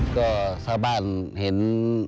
ก็ชาวบ้านเห็น